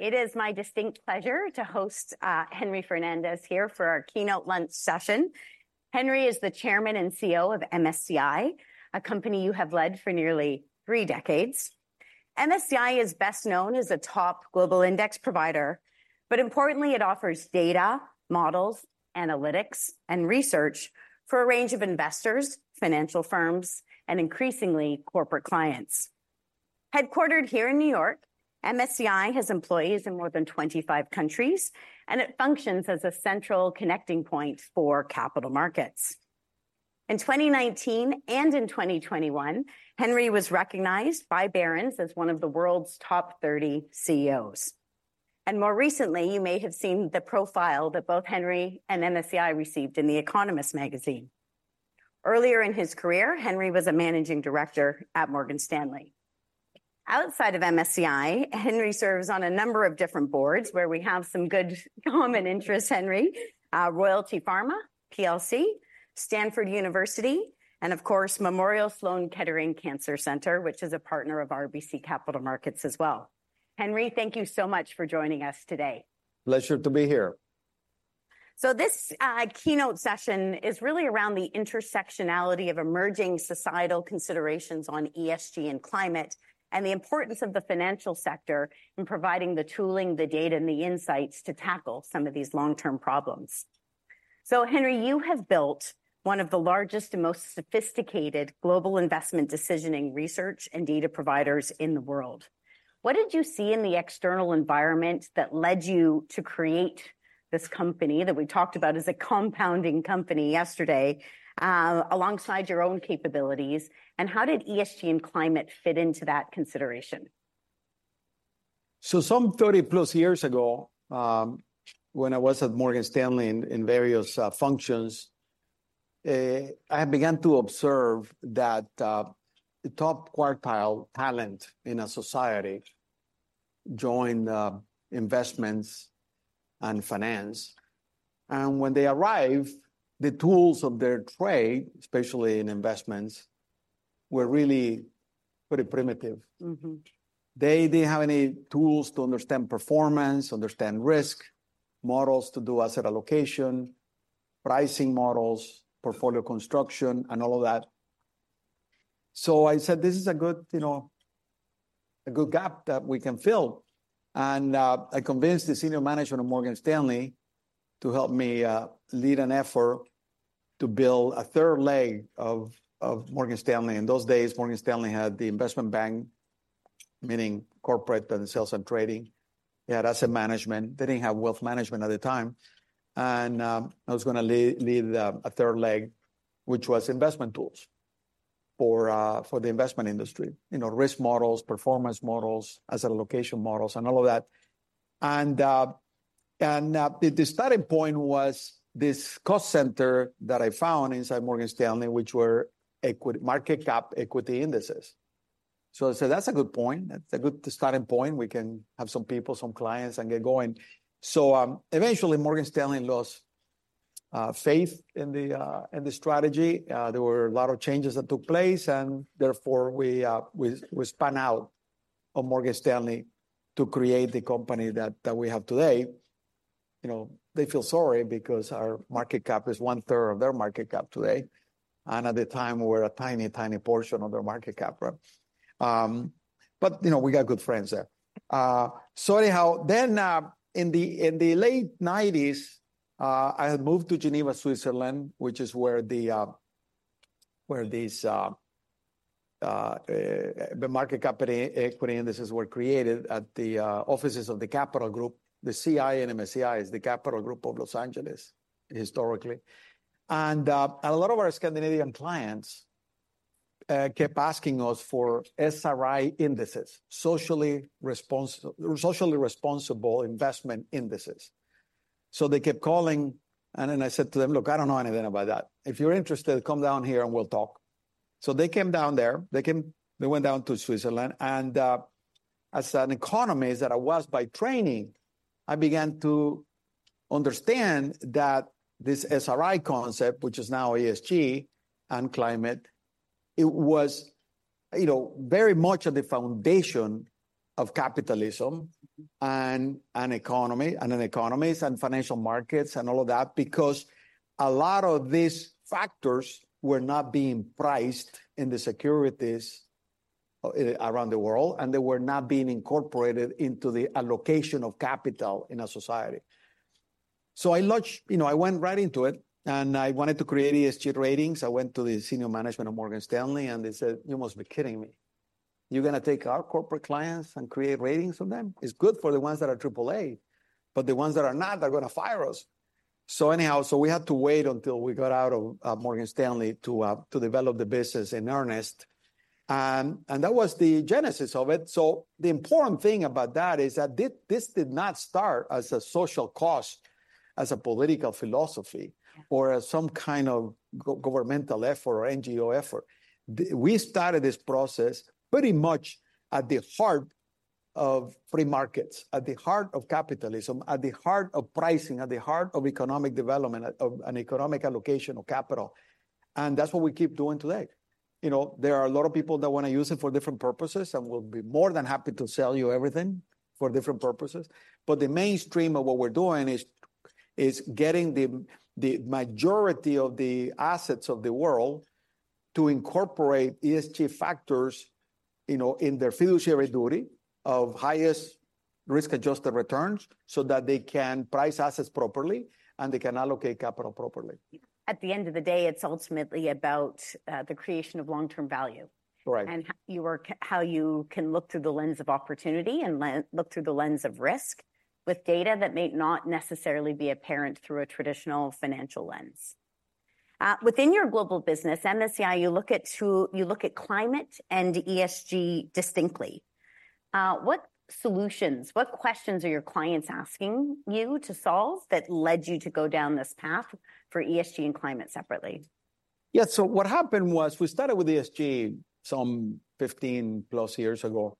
It is my distinct pleasure to host, Henry Fernandez here for our keynote lunch session. Henry is the Chairman and CEO of MSCI, a company you have led for nearly three decades. MSCI is best known as a top global index provider, but importantly, it offers data, models, analytics, and research for a range of investors, financial firms, and increasingly, corporate clients. Headquartered here in New York, MSCI has employees in more than 25 countries, and it functions as a central connecting point for capital markets. In 2019 and in 2021, Henry was recognized by Barron's as one of the world's top 30 CEOs, and more recently, you may have seen the profile that both Henry and MSCI received in The Economist magazine. Earlier in his career, Henry was a managing director at Morgan Stanley. Outside of MSCI, Henry serves on a number of different boards, where we have some good common interests, Henry, Royalty Pharma PLC, Stanford University, and of course, Memorial Sloan Kettering Cancer Center, which is a partner of RBC Capital Markets as well. Henry, thank you so much for joining us today. Pleasure to be here. So this keynote session is really around the intersectionality of emerging societal considerations on ESG and climate, and the importance of the financial sector in providing the tooling, the data, and the insights to tackle some of these long-term problems. So Henry, you have built one of the largest and most sophisticated global investment decisioning research and data providers in the world. What did you see in the external environment that led you to create this company that we talked about as a compounding company yesterday, alongside your own capabilities, and how did ESG and climate fit into that consideration? Some 30+ years ago, when I was at Morgan Stanley in various functions, I began to observe that the top quartile talent in a society joined investments and finance, and when they arrived, the tools of their trade, especially in investments, were really pretty primitive. Mm-hmm. They didn't have any tools to understand performance, understand risk, models to do asset allocation, pricing models, portfolio construction, and all of that. So I said, "This is a good, you know, a good gap that we can fill." And, I convinced the senior management of Morgan Stanley to help me, lead an effort to build a third leg of Morgan Stanley. In those days, Morgan Stanley had the investment bank, meaning corporate and sales and trading. They had asset management. They didn't have wealth management at the time. And, I was gonna lead a third leg, which was investment tools for the investment industry. You know, risk models, performance models, asset allocation models, and all of that. The starting point was this cost center that I found inside Morgan Stanley, which were equity market cap equity indices. So I said, "That's a good point. That's a good starting point. We can have some people, some clients, and get going." So, eventually Morgan Stanley lost faith in the strategy. There were a lot of changes that took place, and therefore, we spun out of Morgan Stanley to create the company that we have today. You know, they feel sorry because our market cap is one-third of their market cap today, and at the time, we were a tiny, tiny portion of their market cap, right? But, you know, we got good friends there. So anyhow, then, in the late 1990s, I had moved to Geneva, Switzerland, which is where these market cap equity indices were created at the offices of the Capital Group. The CI in MSCI is the Capital Group of Los Angeles, historically. And a lot of our Scandinavian clients kept asking us for SRI indices, socially responsible investment indices. So they kept calling, and then I said to them, "Look, I don't know anything about that. If you're interested, come down here, and we'll talk." So they came down there. They came... They went down to Switzerland, and as an economist that I was by training, I began to understand that this SRI concept, which is now ESG and climate, it was, you know, very much at the foundation of capitalism and, and economy, and, and economies, and financial markets, and all of that because a lot of these factors were not being priced in the securities around the world, and they were not being incorporated into the allocation of capital in a society. So I launched—You know, I went right into it, and I wanted to create ESG ratings. I went to the senior management of Morgan Stanley, and they said, "You must be kidding me. You're gonna take our corporate clients and create ratings for them? It's good for the ones that are triple A, but the ones that are not, they're gonna fire us." So anyhow, we had to wait until we got out of Morgan Stanley to develop the business in earnest, and that was the genesis of it. So the important thing about that is that this did not start as a social cause, as a political philosophy- Mm.... or as some kind of governmental effort or NGO effort. We started this process pretty much at the heart of free markets, at the heart of capitalism, at the heart of pricing, at the heart of economic development, at the heart of an economic allocation of capital, and that's what we keep doing today.... You know, there are a lot of people that wanna use it for different purposes, and we'll be more than happy to sell you everything for different purposes. But the mainstream of what we're doing is getting the majority of the assets of the world to incorporate ESG factors, you know, in their fiduciary duty of highest risk-adjusted returns, so that they can price assets properly, and they can allocate capital properly. At the end of the day, it's ultimately about the creation of long-term value. Right. How you can look through the lens of opportunity and look through the lens of risk, with data that may not necessarily be apparent through a traditional financial lens. Within your global business, MSCI, you look at two. You look at climate and ESG distinctly. What solutions, what questions are your clients asking you to solve, that led you to go down this path for ESG and climate separately? Yeah, so what happened was we started with ESG some 15-plus years ago.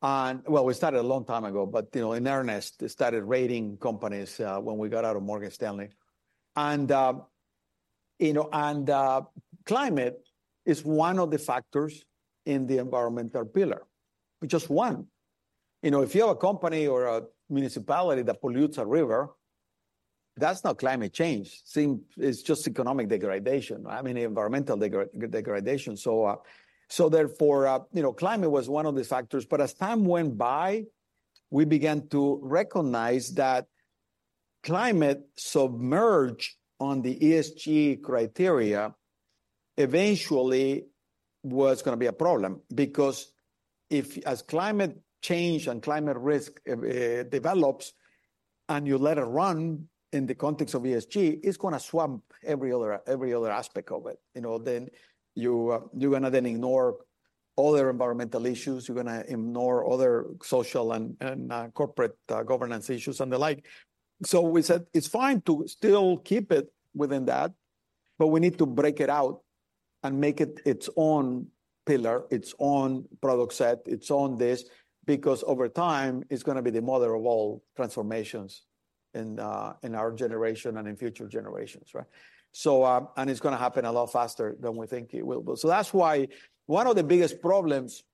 And, well, we started a long time ago, but, you know, in earnest, started rating companies when we got out of Morgan Stanley. And, you know, and, climate is one of the factors in the environmental pillar, but just one. You know, if you have a company or a municipality that pollutes a river, that's not climate change. It's just economic degradation, I mean, environmental degradation. So, therefore, you know, climate was one of the factors. But as time went by, we began to recognize that climate submerged on the ESG criteria eventually was gonna be a problem. Because if... As climate change and climate risk develops, and you let it run in the context of ESG, it's gonna swamp every other, every other aspect of it. You know, then you, you're gonna then ignore other environmental issues, you're gonna ignore other social and, uh, corporate, uh, governance issues and the like. So we said, "It's fine to still keep it within that, but we need to break it out and make it its own pillar, its own product set, its own this," because over time, it's gonna be the mother of all transformations in, in our generation and in future generations, right? So, and it's gonna happen a lot faster than we think it will. But so that's why one of the biggest problems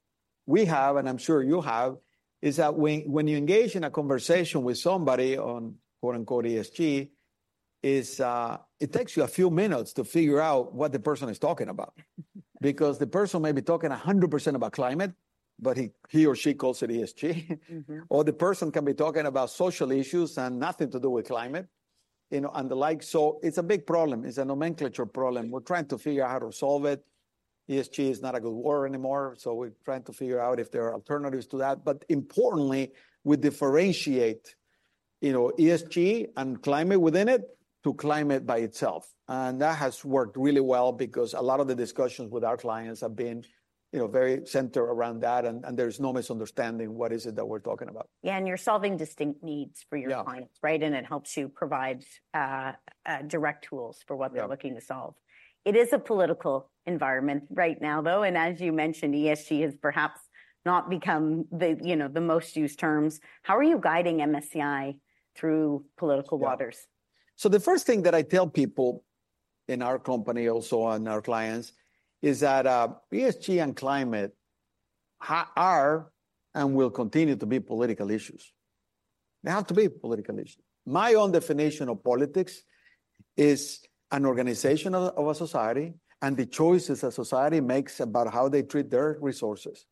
we have, and I'm sure you have, is that when you engage in a conversation with somebody on, quote, unquote, "ESG," it takes you a few minutes to figure out what the person is talking about. Because the person may be talking 100% about climate, but he or she calls it ESG. Mm-hmm. Or the person can be talking about social issues and nothing to do with climate, you know, and the like. So it's a big problem. It's a nomenclature problem. We're trying to figure out how to solve it. ESG is not a good word anymore, so we're trying to figure out if there are alternatives to that. But importantly, we differentiate, you know, ESG and climate within it, to climate by itself. And that has worked really well because a lot of the discussions with our clients have been, you know, very centered around that, and, and there's no misunderstanding what is it that we're talking about. Yeah, and you're solving distinct needs for your clients- Yeah... right? And it helps you provide direct tools for what- Yeah... they're looking to solve. It is a political environment right now, though, and as you mentioned, ESG has perhaps not become the, you know, the most used terms. How are you guiding MSCI through political waters? Yeah. So the first thing that I tell people in our company, also and our clients, is that, ESG and climate are, and will continue to be, political issues. They have to be political issues. My own definition of politics is an organization of a society and the choices a society makes about how they treat their resources,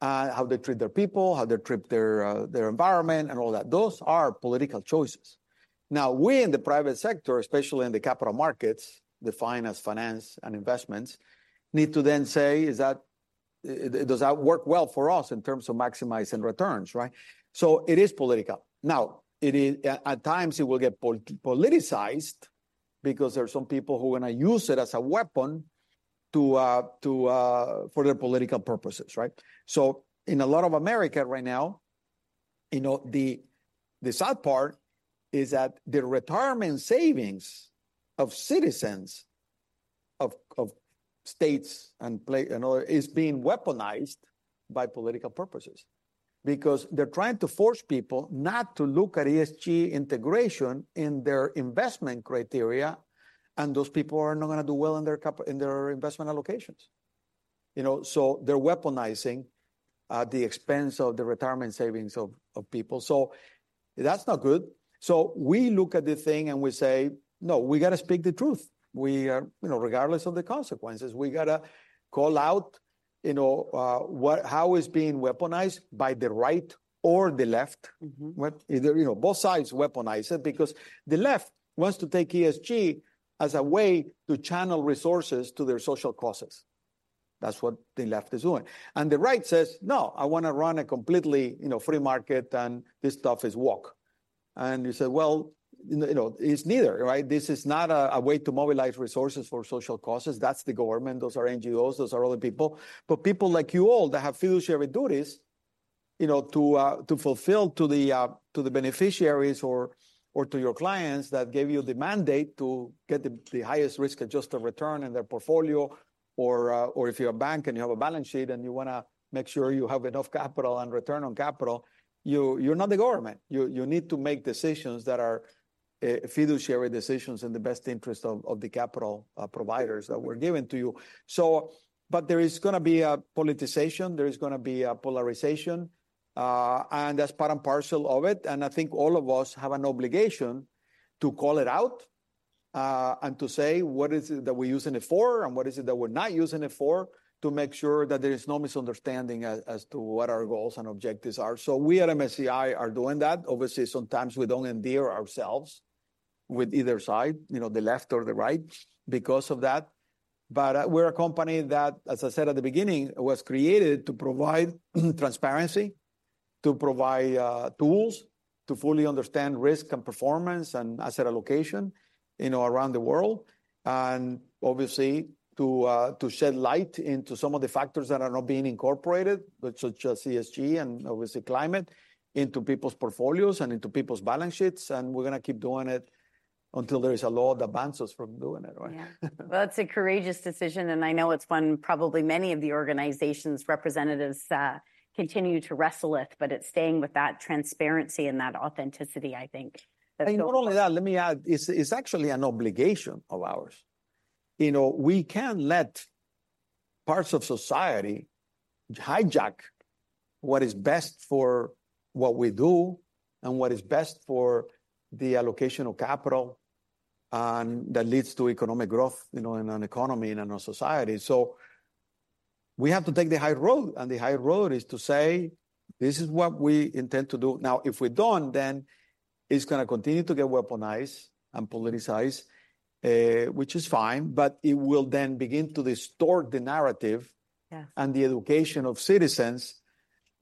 how they treat their people, how they treat their environment, and all that. Those are political choices. Now, we in the private sector, especially in the capital markets, defined as finance and investments, need to then say, "Does that work well for us in terms of maximizing returns," right? So it is political. Now, at times it will get politicized, because there are some people who wanna use it as a weapon to for their political purposes, right? So in a lot of America right now, you know, the sad part is that the retirement savings of citizens of states and plans and other is being weaponized by political purposes. Because they're trying to force people not to look at ESG integration in their investment criteria, and those people are not gonna do well in their investment allocations. You know, so they're weaponizing the expense of the retirement savings of people. So that's not good. So we look at the thing and we say, "No, we gotta speak the truth. We, you know, regardless of the consequences, we gotta call out, you know, how it's being weaponized by the right or the left. Mm-hmm. You know, both sides weaponize it, because the left wants to take ESG as a way to channel resources to their social causes. That's what the left is doing. And the right says, "No, I wanna run a completely, you know, free market, and this stuff is woke." And you say, "Well, you know, it's neither," right? This is not a way to mobilize resources for social causes. That's the government, those are NGOs, those are other people. But people like you all, that have fiduciary duties, you know, to fulfill to the beneficiaries or to your clients, that gave you the mandate to get the highest risk-adjusted return in their portfolio. Or, if you're a bank and you have a balance sheet, and you wanna make sure you have enough capital and return on capital, you're not the government. You need to make decisions that are fiduciary decisions in the best interest of the capital providers that were given to you. But there is gonna be a politicization, there is gonna be a polarization, and that's part and parcel of it, and I think all of us have an obligation to call it out, and to say what is it that we're using it for, and what is it that we're not using it for, to make sure that there is no misunderstanding as to what our goals and objectives are. So we at MSCI are doing that. Obviously, sometimes we don't endear ourselves with either side, you know, the left or the right, because of that. But, we're a company that, as I said at the beginning, was created to provide transparency, to provide, tools to fully understand risk and performance and asset allocation, you know, around the world, and obviously to shed light into some of the factors that are not being incorporated, such as ESG and obviously climate, into people's portfolios and into people's balance sheets, and we're gonna keep doing it until there is a law that bans us from doing it, right? Yeah. Well, it's a courageous decision, and I know it's one probably many of the organization's representatives continue to wrestle with, but it's staying with that transparency and that authenticity, I think, that's so important. And not only that, let me add, it's actually an obligation of ours. You know, we can't let parts of society hijack what is best for what we do and what is best for the allocation of capital, and that leads to economic growth, you know, in an economy and in our society. So we have to take the high road, and the high road is to say, "This is what we intend to do." Now, if we don't, then it's gonna continue to get weaponized and politicized, which is fine, but it will then begin to distort the narrative- Yeah... and the education of citizens.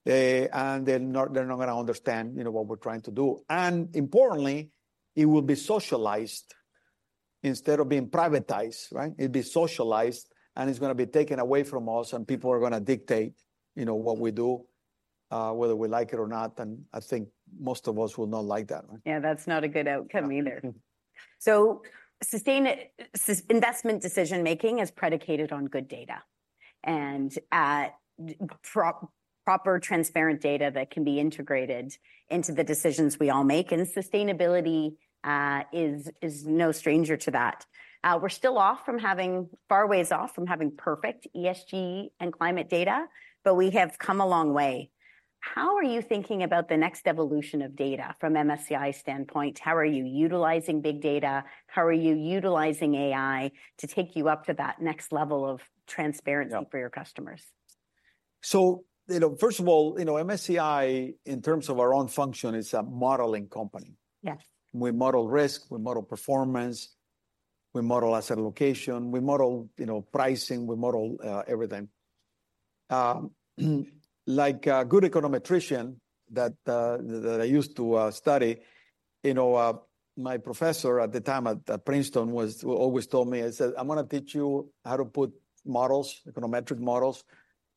They're not gonna understand, you know, what we're trying to do. And importantly, it will be socialized instead of being privatized, right? It'll be socialized, and it's gonna be taken away from us, and people are gonna dictate, you know, what we do, whether we like it or not, and I think most of us will not like that one. Yeah, that's not a good outcome either. No. So sustainable investment decision-making is predicated on good data, and proper, transparent data that can be integrated into the decisions we all make, and sustainability is no stranger to that. We're still far ways off from having perfect ESG and climate data, but we have come a long way. How are you thinking about the next evolution of data from MSCI's standpoint? How are you utilizing big data? How are you utilizing AI to take you up to that next level of transparency? Yeah... for your customers? So, you know, first of all, you know, MSCI, in terms of our own function, is a modeling company. Yes. We model risk, we model performance, we model asset allocation, we model, you know, pricing, we model everything. Like a good econometrician that I used to study, you know, my professor at the time at Princeton was always told me, he said, "I'm gonna teach you how to put models, econometric models,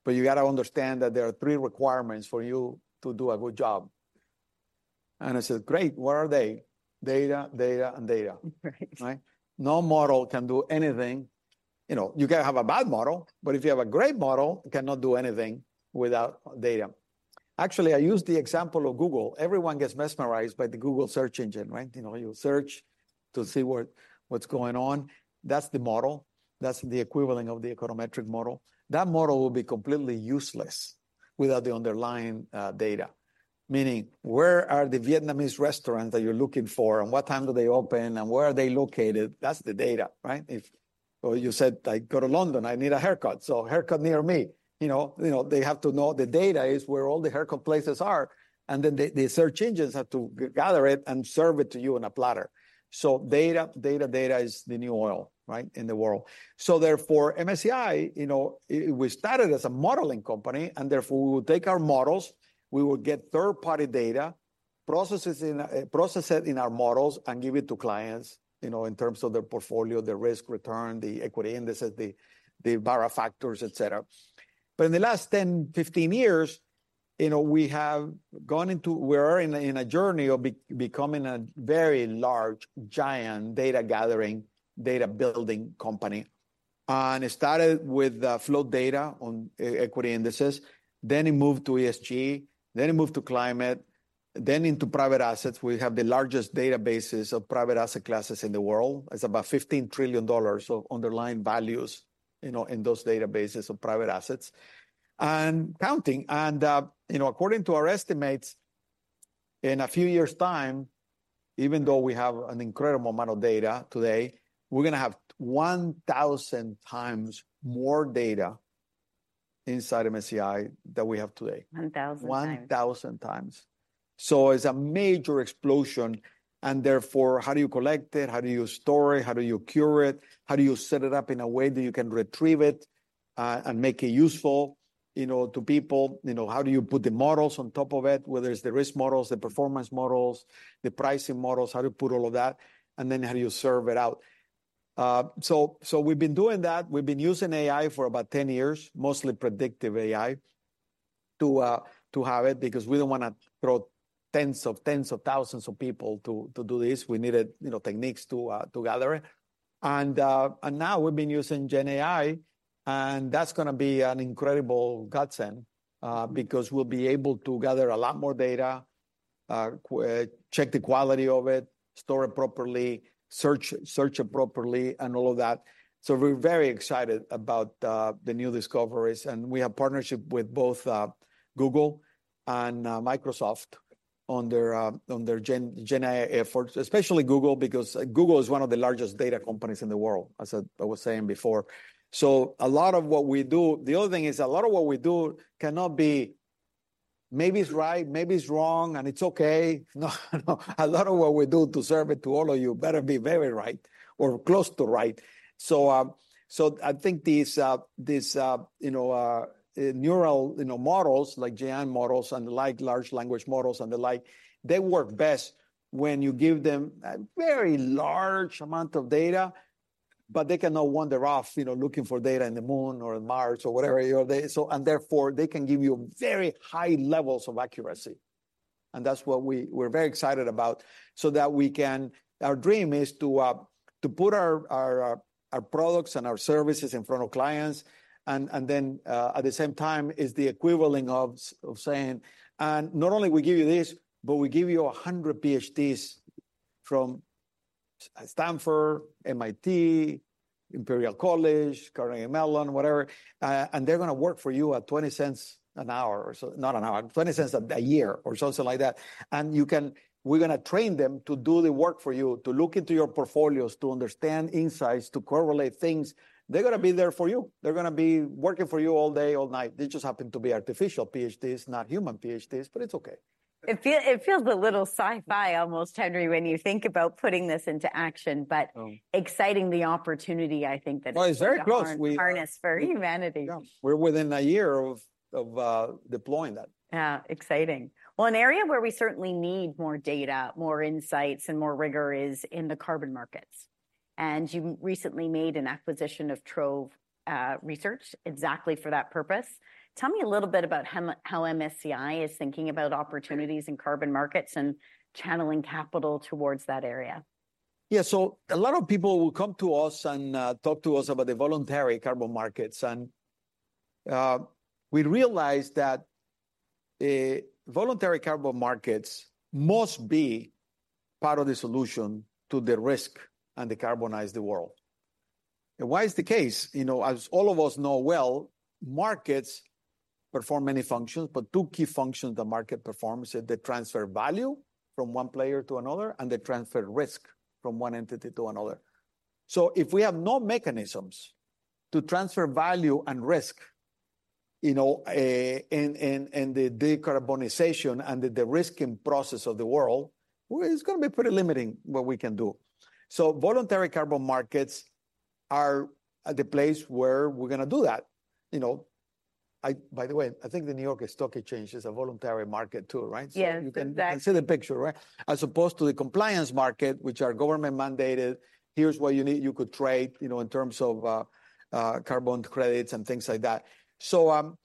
but you gotta understand that there are three requirements for you to do a good job." And I said, "Great, what are they?" "Data, data, and data. Right. Right? No model can do anything... You know, you can have a bad model, but if you have a great model, it cannot do anything without data. Actually, I use the example of Google. Everyone gets mesmerized by the Google search engine, right? You know, you search to see what, what's going on. That's the model. That's the equivalent of the econometric model. That model will be completely useless without the underlying data, meaning, where are the Vietnamese restaurant that you're looking for, and what time do they open, and where are they located? That's the data, right? If, well, you said, "I go to London. I need a haircut," so haircut near me. You know, you know, they have to know the data is where all the haircut places are, and then the, the search engines have to gather it and serve it to you on a platter. So data, data, data is the new oil, right, in the world. So therefore, MSCI, you know, it we started as a modeling company, and therefore, we will take our models, we will get third-party data, processes in, process it in our models, and give it to clients, you know, in terms of their portfolio, their risk-return, the equity indices, the, the Barra factors, et cetera. But in the last 10, 15 years, you know, we have gone into we're in a, in a journey of becoming a very large, giant data-gathering, data-building company. It started with flow data on equity indices, then it moved to ESG, then it moved to climate, then into private assets. We have the largest databases of private asset classes in the world. It's about $15 trillion of underlying values, you know, in those databases of private assets, and counting. And, you know, according to our estimates, in a few years' time, even though we have an incredible amount of data today, we're gonna have 1,000 times more data inside MSCI than we have today. 1,000 times. 1,000 times. So it's a major explosion, and therefore, how do you collect it? How do you store it? How do you cure it? How do you set it up in a way that you can retrieve it, and make it useful, you know, to people? You know, how do you put the models on top of it, whether it's the risk models, the performance models, the pricing models, how to put all of that, and then how do you serve it out? So, so we've been doing that. We've been using AI for about 10 years, mostly predictive AI, to have it, because we don't wanna throw tens of tens of thousands of people to do this. We needed, you know, techniques to gather it. and now we've been using Gen AI, and that's gonna be an incredible godsend, because we'll be able to gather a lot more data, check the quality of it, store it properly, search, search it properly, and all of that. So we're very excited about the new discoveries, and we have partnership with both Google and Microsoft on their Gen AI efforts, especially Google, because Google is one of the largest data companies in the world, as I was saying before. So a lot of what we do, the other thing is, a lot of what we do cannot be maybe it's right, maybe it's wrong, and it's okay. No, no, a lot of what we do to serve it to all of you better be very right or close to right. I think these neural models, like gen models and the like, large language models and the like, work best when you give them a very large amount of data, but they cannot wander off, you know, looking for data in the moon or in Mars or whatever, you know, they... So, and therefore, they can give you very high levels of accuracy, and that's what we're very excited about, so that we can, our dream is to put our products and our services in front of clients, and then, at the same time, is the equivalent of saying, "And not only we give you this, but we give you 100 PhDs from Stanford, MIT, Imperial College, Carnegie Mellon, whatever, and they're gonna work for you at $0.20 an hour, or so, not an hour, $0.20 a year," or something like that. "And we're gonna train them to do the work for you, to look into your portfolios, to understand insights, to correlate things. They're gonna be there for you. They're gonna be working for you all day, all night." They just happen to be artificial PhDs, not human PhDs, but it's okay. It feels a little sci-fi almost, Henry, when you think about putting this into action, but- Oh ...exciting the opportunity, I think that it's. Well, it's very close.... to harness for humanity. Yeah, we're within a year of deploying that. Yeah, exciting. Well, an area where we certainly need more data, more insights, and more rigor is in the carbon markets, and you recently made an acquisition of Trove Research exactly for that purpose. Tell me a little bit about how MSCI is thinking about opportunities in carbon markets and channeling capital towards that area. Yeah, so a lot of people will come to us and, talk to us about the voluntary carbon markets, and, we realize that, voluntary carbon markets must be part of the solution to the risk and decarbonize the world. And why is the case? You know, as all of us know well, markets perform many functions, but two key functions the market performs, are they transfer value from one player to another, and they transfer risk from one entity to another. So if we have no mechanisms to transfer value and risk, you know, in the decarbonization and the de-risking process of the world, well, it's gonna be pretty limiting what we can do. So voluntary carbon markets are the place where we're gonna do that. You know, by the way, I think the New York Stock Exchange is a voluntary market, too, right? Yes, exactly. You can, you can see the picture, right? As opposed to the compliance market, which are government-mandated, here's what you need. You could trade, you know, in terms of, carbon credits and things like that. So,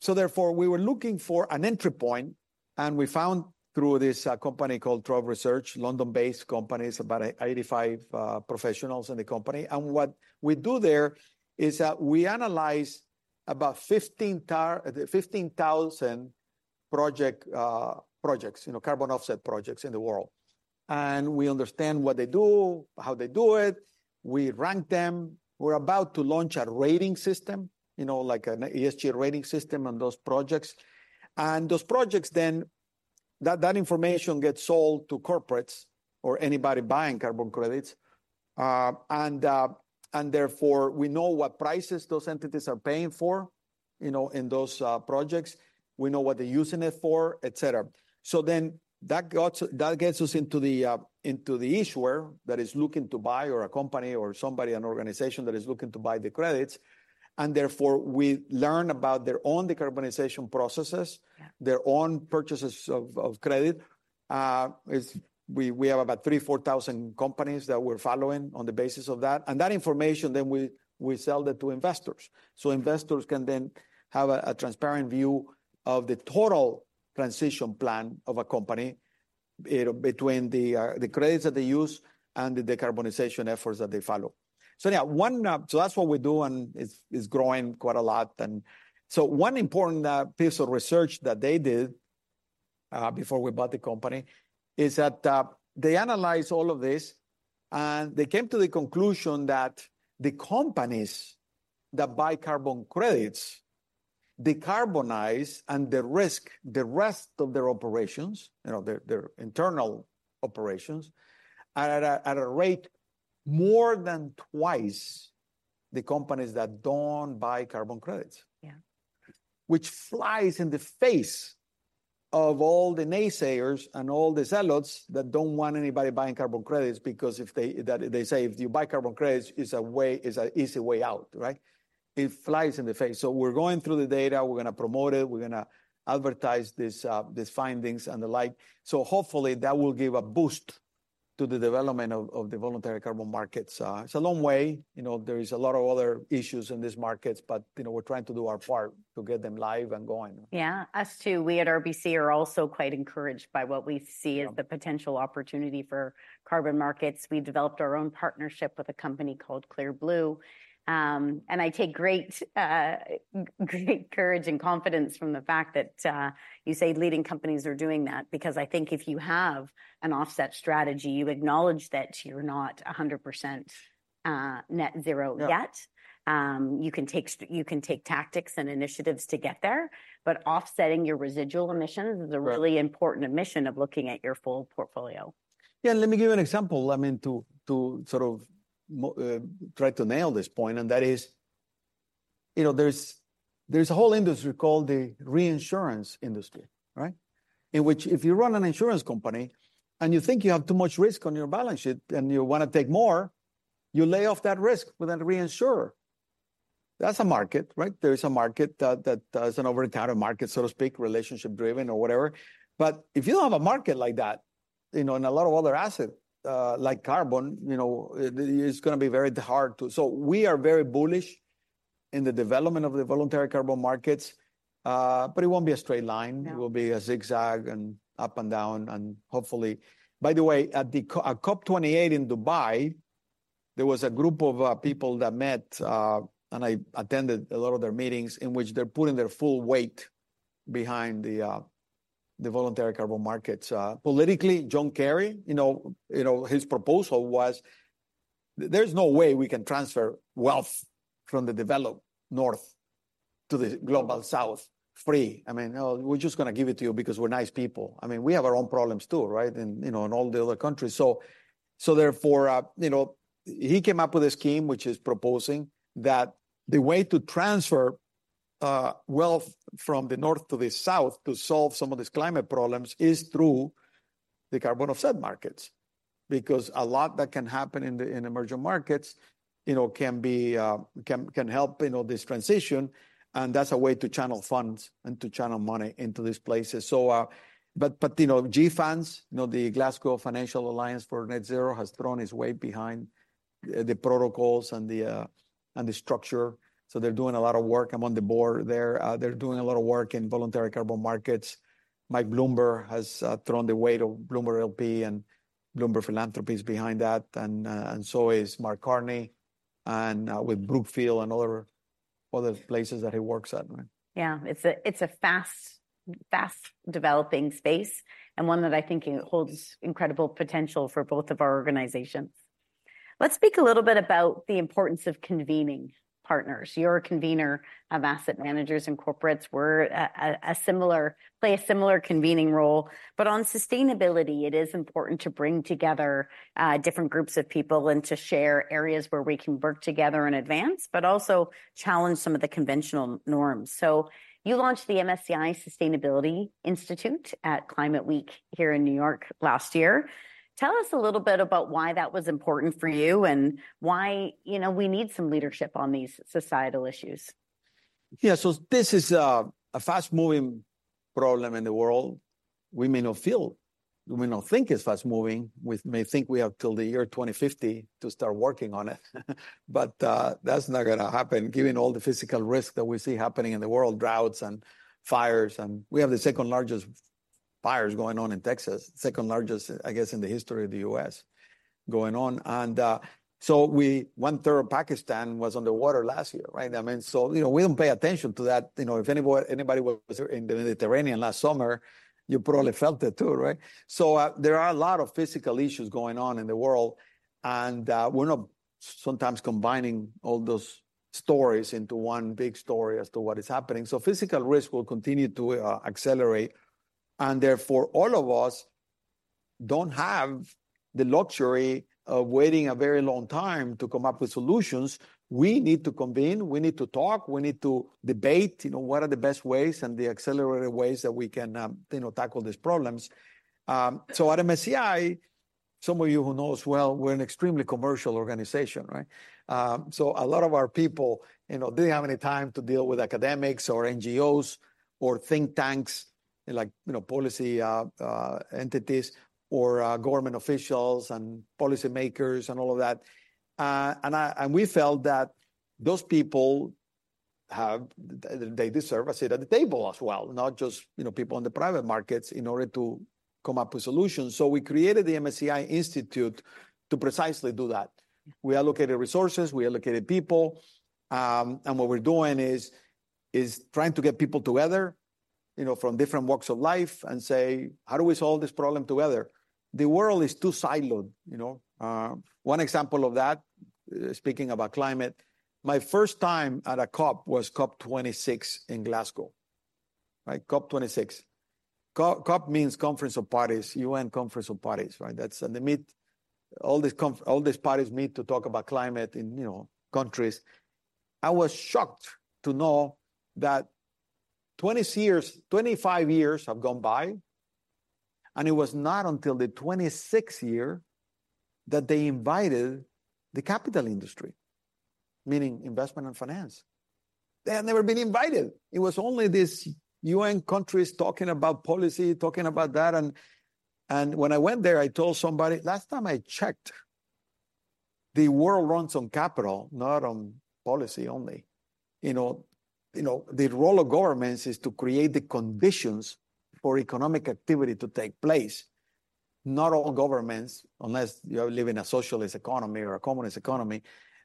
so therefore, we were looking for an entry point, and we found through this, company called Trove Research, London-based company. It's about 85 professionals in the company, and what we do there is that we analyze about 15,000 projects, you know, carbon offset projects in the world. And we understand what they do, how they do it. We rank them. We're about to launch a rating system, you know, like an ESG rating system on those projects, and those projects then, that information gets sold to corporates or anybody buying carbon credits. and therefore, we know what prices those entities are paying for, you know, in those projects, we know what they're using it for, et cetera. So then that gets us into the issuer that is looking to buy or a company or somebody, an organization, that is looking to buy the credits, and therefore, we learn about their own decarbonization processes- Yeah... their own purchases of credit. We have about 3,000, 4,000 companies that we're following on the basis of that, and that information then we sell it to investors. So investors can then have a transparent view of the total transition plan of a company, between the credits that they use and the decarbonization efforts that they follow. So yeah, so that's what we're doing. It's growing quite a lot. And so one important piece of research that they did before we bought the company is that they analyzed all of this, and they came to the conclusion that the companies that buy carbon credits decarbonize and de-risk the rest of their operations, you know, their internal operations, at a rate more than twice the companies that don't buy carbon credits- Yeah... which flies in the face of all the naysayers and all the zealots that don't want anybody buying carbon credits because they say if you buy carbon credits, it's a way, it's an easy way out, right? It flies in the face. So we're going through the data. We're gonna promote it. We're gonna advertise this, these findings and the like. So hopefully, that will give a boost to the development of the voluntary carbon markets. It's a long way. You know, there is a lot of other issues in these markets, but, you know, we're trying to do our part to get them live and going. Yeah, us, too. We at RBC are also quite encouraged by what we see- Yeah... as the potential opportunity for carbon markets. We've developed our own partnership with a company called ClearBlue. And I take great, great courage and confidence from the fact that you say leading companies are doing that, because I think if you have an offset strategy, you acknowledge that you're not 100%, net zero yet. Yeah. You can take tactics and initiatives to get there, but offsetting your residual emissions- Right... is a really important dimension of looking at your full portfolio. Yeah, let me give you an example, I mean, to sort of try to nail this point, and that is, you know, there's a whole industry called the reinsurance industry, right? In which if you run an insurance company, and you think you have too much risk on your balance sheet, and you wanna take more, you lay off that risk with a reinsurer. That's a market, right? There is a market that is an over-the-counter market, so to speak, relationship-driven or whatever. But if you don't have a market like that, you know, in a lot of other asset, like carbon, you know, it, it's gonna be very hard to... So we are very bullish in the development of the voluntary carbon markets, but it won't be a straight line. No. It will be a zigzag, and up and down, and hopefully... By the way, at COP28 in Dubai, there was a group of people that met, and I attended a lot of their meetings, in which they're putting their full weight behind the voluntary carbon markets. Politically, John Kerry, you know, his proposal was, "There's no way we can transfer wealth from the Developed North to the Global South free." I mean, "We're just gonna give it to you because we're nice people." I mean, we have our own problems, too, right, in all the other countries. So therefore, you know, he came up with a scheme which is proposing that the way to transfer wealth from the north to the south to solve some of these climate problems is through the carbon offset markets. Because a lot that can happen in the, in emerging markets, you know, can be, can help, you know, this transition, and that's a way to channel funds and to channel money into these places. So, but, you know, GFANZ, you know, the Glasgow Financial Alliance for Net Zero, has thrown its weight behind the protocols and the structure, so they're doing a lot of work. I'm on the board there. They're doing a lot of work in voluntary carbon markets. Mike Bloomberg has thrown the weight of Bloomberg LP, and Bloomberg Philanthropies behind that, and so has Mark Carney, and with Brookfield and other, other places that he works at, right? Yeah. It's a fast, fast-developing space, and one that I think holds incredible potential for both of our organizations. Let's speak a little bit about the importance of convening partners. You're a convener of asset managers- Mm... and corporates. We're a similar... play a similar convening role. But on sustainability, it is important to bring together different groups of people, and to share areas where we can work together in advance, but also challenge some of the conventional norms. So you launched the MSCI Sustainability Institute at Climate Week here in New York last year. Tell us a little bit about why that was important for you, and why, you know, we need some leadership on these societal issues? Yeah, so this is a fast-moving problem in the world. We may not feel, we may not think it's fast-moving. We may think we have till the year 2050 to start working on it but that's not gonna happen, given all the physical risk that we see happening in the world, droughts and fires, and we have the second-largest fires going on in Texas, second-largest, I guess, in the history of the U.S. going on. And, so one-third of Pakistan was under water last year, right? I mean, so, you know, we don't pay attention to that. You know, if anybody, anybody was in the Mediterranean last summer, you probably felt it, too, right? So, there are a lot of physical issues going on in the world, and, we're not sometimes combining all those stories into one big story as to what is happening. So physical risk will continue to accelerate, and therefore, all of us don't have the luxury of waiting a very long time to come up with solutions. We need to convene. We need to talk. We need to debate, you know, what are the best ways and the accelerated ways that we can, you know, tackle these problems. So at MSCI, some of you who know us well, we're an extremely commercial organization, right? So a lot of our people, you know, didn't have any time to deal with academics, or NGOs, or think tanks, like, you know, policy entities or government officials and policymakers, and all of that. And we felt that those people have... They deserve a seat at the table as well, not just, you know, people in the private markets, in order to come up with solutions. So we created the MSCI Institute to precisely do that. We allocated resources, we allocated people, and what we're doing is trying to get people together, you know, from different walks of life and say, "How do we solve this problem together?" The world is too siloed, you know. One example of that, speaking about climate, my first time at a COP was COP26 in Glasgow. Right? COP26. COP means Conference of Parties, UN Conference of Parties, right? That's, they meet. All these parties meet to talk about climate in, you know, countries. I was shocked to know that 20 years, 25 years have gone by, and it was not until the 26th year that they invited the capital industry, meaning investment and finance. They had never been invited. It was only these UN countries talking about policy, talking about that, and when I went there, I told somebody, "Last time I checked, the world runs on capital, not on policy only." You know, you know, the role of governments is to create the conditions for economic activity to take place. Not all governments, unless you live in a socialist economy or a communist economy,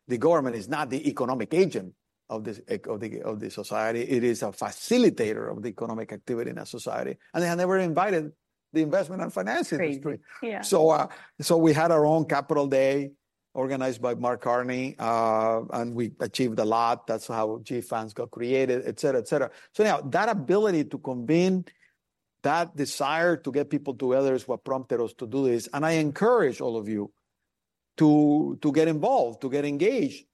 the government is not the economic agent of the economy of the society. It is a facilitator of the economic activity in a society, and they had never invited the investment and finance industry. Great. Yeah. So, so we had our own capital day organized by Mark Carney, and we achieved a lot. That's how GFANZ got created, et cetera, et cetera. So now, that ability to convene, that desire to get people together is what prompted us to do this, and I encourage all of you to get involved, to get engaged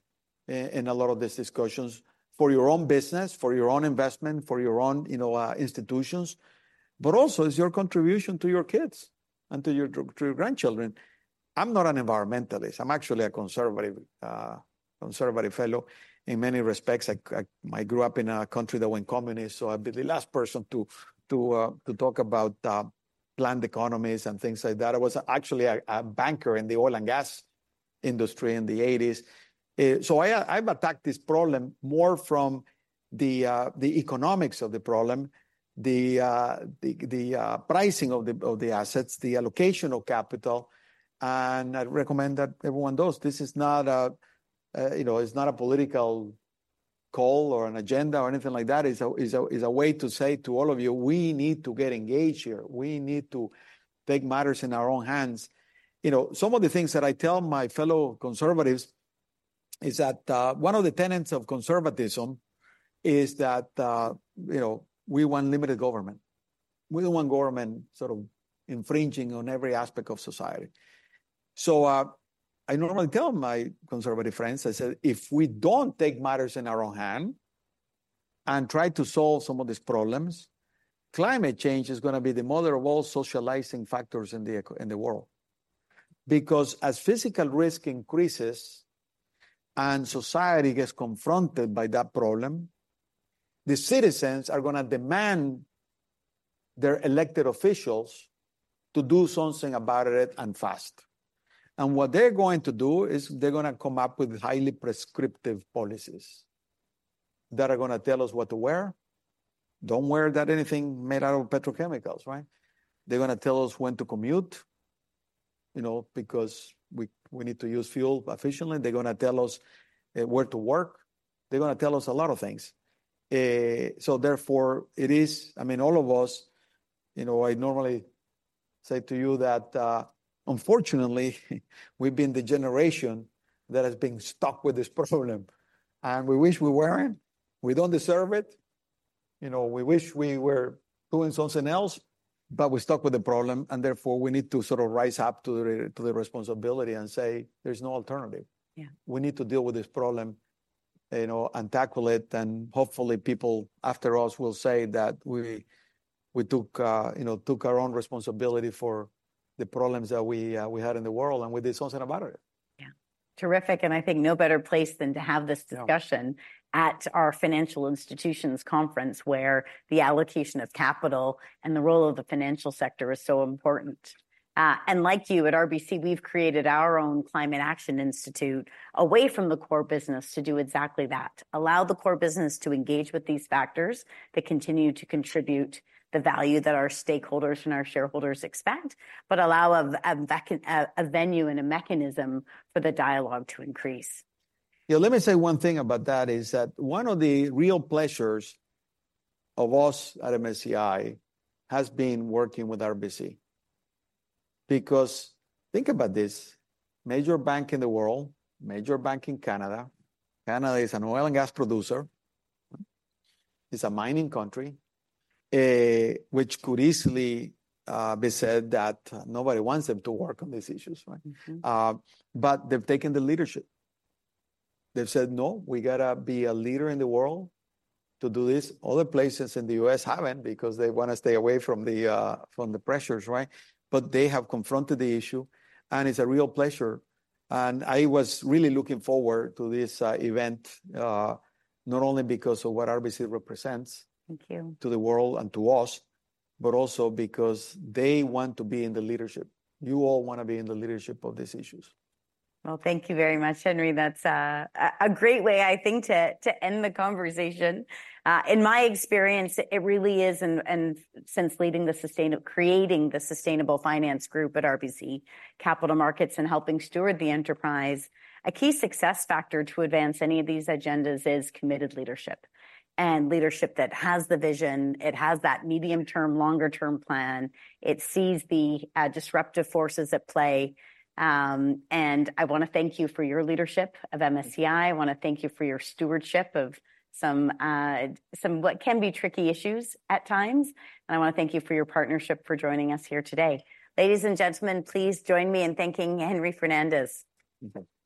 in a lot of these discussions for your own business, for your own investment, for your own, you know, institutions. But also, it's your contribution to your kids and to your grandchildren. I'm not an environmentalist. I'm actually a conservative, conservative fellow in many respects. I grew up in a country that went communist, so I'd be the last person to talk about planned economies and things like that. I was actually a banker in the oil and gas industry in the 1980s. So I've attacked this problem more from the economics of the problem, the pricing of the assets, the allocation of capital, and I'd recommend that everyone does. This is not a, you know, it's not a political call or an agenda or anything like that. It's a way to say to all of you, "We need to get engaged here. We need to take matters in our own hands." You know, some of the things that I tell my fellow conservatives is that one of the tenets of conservatism is that, you know, we want limited government. We don't want government sort of infringing on every aspect of society. I normally tell my conservative friends, I say, "If we don't take matters in our own hand and try to solve some of these problems, climate change is gonna be the mother of all socializing factors in the economy in the world." Because as physical risk increases and society gets confronted by that problem, the citizens are gonna demand their elected officials to do something about it, and fast. And what they're going to do is they're gonna come up with highly prescriptive policies that are gonna tell us what to wear. "Don't wear that, anything made out of petrochemicals," right? They're gonna tell us when to commute, you know, because we need to use fuel efficiently. They're gonna tell us where to work. They're gonna tell us a lot of things. So therefore, it is... I mean, all of us, you know, I normally say to you that, unfortunately, we've been the generation that has been stuck with this problem, and we wish we weren't. We don't deserve it. You know, we wish we were doing something else, but we're stuck with the problem, and therefore, we need to sort of rise up to the, to the responsibility and say, "There's no alternative. Yeah. We need to deal with this problem, you know, and tackle it, and hopefully people after us will say that we took, you know, our own responsibility for the problems that we had in the world, and we did something about it. Yeah. Terrific, and I think no better place than to have this discussion- No... at our financial institutions conference, where the allocation of capital and the role of the financial sector is so important. And like you, at RBC, we've created our own Climate Action Institute away from the core business to do exactly that, allow the core business to engage with these factors that continue to contribute the value that our stakeholders and our shareholders expect, but allow a venue and a mechanism for the dialogue to increase. Yeah, let me say one thing about that, is that one of the real pleasures of us at MSCI has been working with RBC. Because think about this: major bank in the world, major bank in Canada. Canada is an oil and gas producer. It's a mining country, which could easily be said that nobody wants them to work on these issues, right? Mm-hmm. But they've taken the leadership. They've said, "No, we gotta be a leader in the world to do this." Other places in the U.S. haven't, because they wanna stay away from the pressures, right? But they have confronted the issue, and it's a real pleasure, and I was really looking forward to this event, not only because of what RBC represents- Thank you... to the world and to us, but also because they want to be in the leadership. You all want to be in the leadership of these issues. Well, thank you very much, Henry. That's a great way, I think, to end the conversation. In my experience, it really is, and since creating the Sustainable Finance Group at RBC Capital Markets and helping steward the enterprise, a key success factor to advance any of these agendas is committed leadership, and leadership that has the vision. It has that medium-term, longer-term plan. It sees the disruptive forces at play. I wanna thank you for your leadership of MSCI. Thank you. I wanna thank you for your stewardship of some, some, what can be tricky issues at times, and I wanna thank you for your partnership, for joining us here today. Ladies and gentlemen, please join me in thanking Henry Fernandez. Thank you.